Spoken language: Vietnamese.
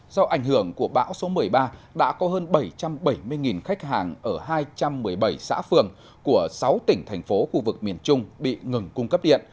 do ảnh hưởng của bão số một mươi ba đã có hơn bảy trăm bảy mươi khách hàng ở hai trăm một mươi bảy xã phường của sáu tỉnh thành phố khu vực miền trung bị ngừng cung cấp điện